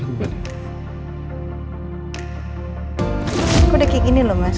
udah kayak gini loh mas